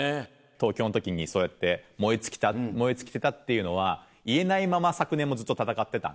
「東京」の時にそうやって燃え尽きてたっていうのは言えないまま昨年もずっと戦ってたんで。